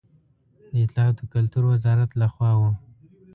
د اطلاعاتو او کلتور وزارت له خوا و.